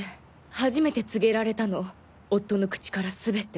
初めて告げられたの夫の口から全て。